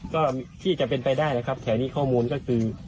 ก็ที่จะเป็นไปได้นะครับแถวนี้ข้อมูลก็คือ